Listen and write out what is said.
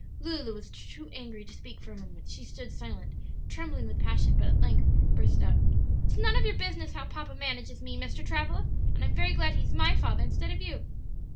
Lulu was too angry to speak for a moment; she stood silent, trembling with passion, but at length burst out: "It's none of your business how papa manages me, Mr. Travilla; and I'm very glad he's my father instead of you!"